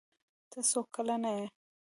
ته څو کلن يي